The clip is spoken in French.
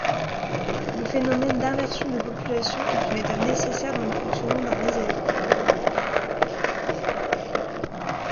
Le phénomène d’inversion de population est une étape nécessaire dans le fonctionnement d'un laser.